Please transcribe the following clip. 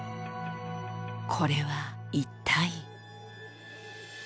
これは一体。